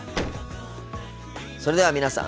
それでは皆さん